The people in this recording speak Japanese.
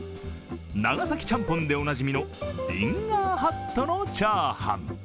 長崎ちゃんぽんでおなじみのリンガーハットのチャーハン。